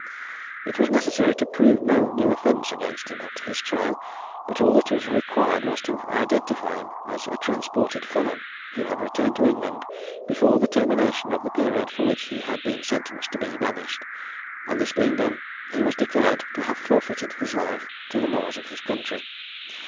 It was necessary to prove no new offence against him at his trial, but all that was required was to identify him as a transported felon, who had returned to England before the termination of the period for which he had been sentenced to be banished; and this being done, he was declared to have forfeited his life to the laws of his country.